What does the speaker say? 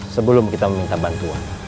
sebelum kita meminta bantuan